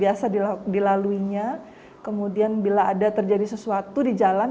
itu sesuai dengan jalur yg biasa dilaluinya kemudian bila ada terjadi sesuatu di jalan